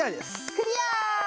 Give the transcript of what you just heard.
クリアー！